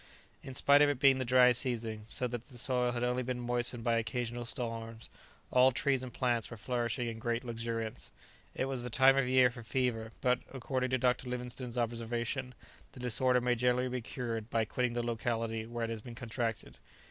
In spite of it being the dry season, so that the soil had only been moistened by occasional storms, all trees and plants were flourishing in great luxuriance. It was the time of year for fever, but, according to Dr. Livingstone's observation, the disorder may generally be cured by quitting the locality where it has been contracted.